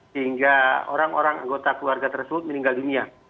sehingga orang orang anggota keluarga tersebut meninggal dunia